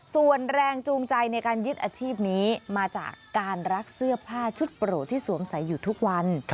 ส่วนแรงจูงใจในการยึดอาชีพนี้มาจากการรักเสื้อผ้าชุดโปรดที่สวมใส่อยู่ทุกวัน